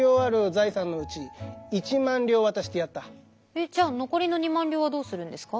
えっじゃあ残りの２万両はどうするんですか？